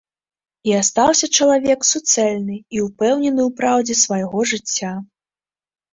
І астаўся чалавек суцэльны і ўпэўнены ў праўдзе свайго жыцця.